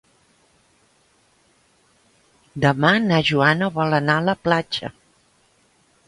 Demà na Joana vol anar a la platja.